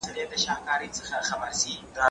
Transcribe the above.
زه اوږده وخت مځکي ته ګورم وم؟!